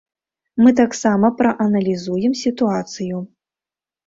Мы таксама прааналізуем сітуацыю.